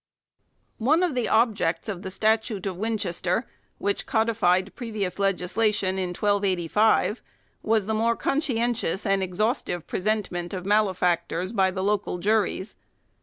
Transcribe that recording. One of the objects of the Statute of Winchester, which codified previous legislation in 1285, was the more conscientious and exhaustive presentment of malefactors by the local juries.